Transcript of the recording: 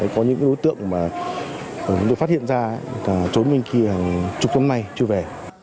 có những đối tượng được phát hiện ra trốn bên kia chút tầm nay chưa về